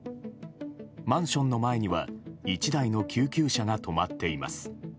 マンションの前には１台の救急車が止まっています。